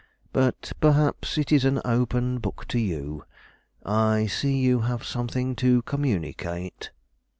But perhaps it is an open book to you. I see you have something to communicate."